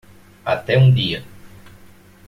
Até um dia